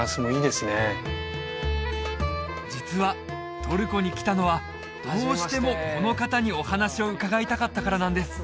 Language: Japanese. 実はトルコに来たのはどうしてもこの方にお話を伺いたかったからなんです